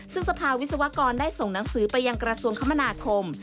ซึ่งสภาวิศวกรได้ส่งหนังสือไปยังกระทรวงคมนาคม